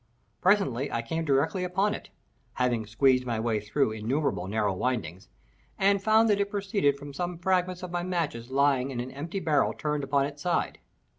Presently I came directly upon it (having squeezed my way through innumerable narrow windings), and found that it proceeded from some fragments of my matches lying in an empty barrel turned upon its side.